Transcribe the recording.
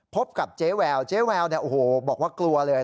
พบกับเจ๊แววบอกว่ากลัวเลย